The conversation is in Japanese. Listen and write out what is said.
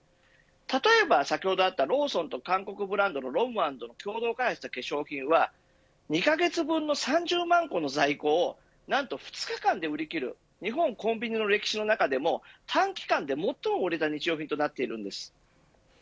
例えば、先ほどあったローソンと韓国ブランドのｒｏｍ＆ｎｄが共同開発した化粧品は２カ月分で３０万個の在庫を何と２日間で売り切る日本コンビニの歴史の中でも短期間で最も売れた日用品となっているんです。